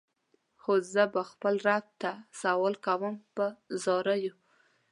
خو زه به خپل رب ته سوال کوم په زاریو.